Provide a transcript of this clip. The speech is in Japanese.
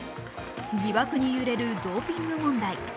疑惑に揺れるドーピング問題。